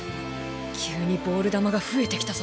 急にボール球が増えてきたぞ。